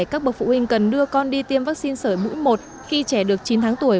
các bậc phụ huynh cần đưa con đi tiêm vaccine sởi mũi một khi trẻ được chín tháng tuổi